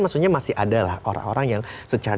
maksudnya masih ada lah orang orang yang secara